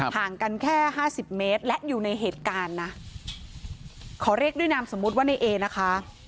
ห่างกันแค่ห้าสิบเมตรและอยู่ในเหตุการณ์นะขอเรียกด้วยนามสมมุติว่าในเอนะคะ